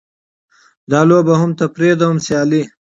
دا لوبه هم تفریح ده؛ هم سیالي.